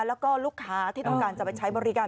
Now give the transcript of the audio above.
แล้วก็ลูกค้าที่ต้องการจะไปใช้บริการ